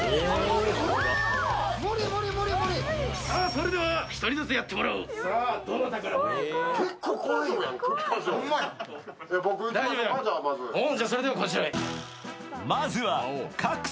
それでは、１人ずつやってもらおう。やー！